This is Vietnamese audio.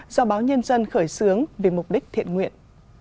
do báo nhân dân khởi xướng vì mục đích thiện nguyện